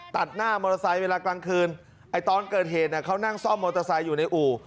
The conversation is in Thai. ตัดหน้ามอเตอร์ไซค์เวลากลางคืนไอ้ตอนเกิดเหตุเนี่ยเขานั่งซ่อมมอเตอร์ไซค์อยู่ในอู่